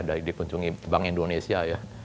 dari dikuncungi bank indonesia